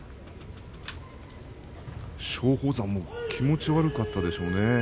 松鳳山も気持ちが悪かったでしょうね。